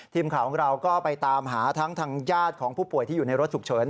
ทีมข่าวของเราก็ไปตามหาทั้งทางญาติของผู้ป่วยที่อยู่ในรถฉุกเฉิน